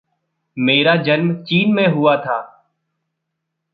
मेरा जन्म चीन में हुआ था।